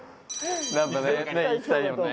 何かねいきたいよね。